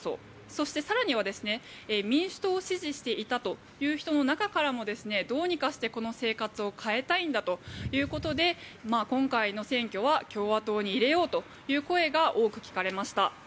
そして、更には民主党を支持していたという人の中からもどうにかしてこの生活を変えたいんだということで今回の選挙は共和党に入れようという声が多く聞かれました。